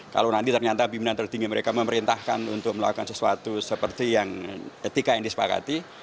kalau nanti ternyata pimpinan tertinggi mereka memerintahkan untuk melakukan sesuatu seperti yang etika yang disepakati